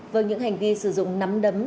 với những hành vi sử dụng nắm đấm